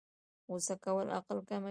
غوسه کول عقل کموي